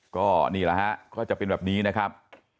ก็นี่แหละฮะก็จะเป็นแบบนี้นะครับ